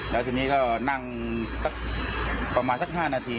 แล้วทีนี้ก็นั่งสักประมาณสัก๕นาที